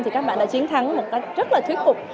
thì các bạn đã chiến thắng một cách rất là thuyết phục